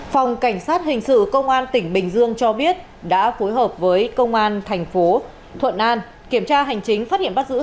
phòng cảnh sát hình sự công an tỉnh bình dương cho biết đã phối hợp với công an thành phố thuận an kiểm tra hành chính phát hiện bắt giữ